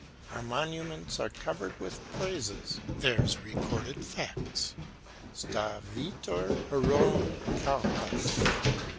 Our monuments are covered with praises, theirs recorded facts. "Sta, viator; heroem calcas."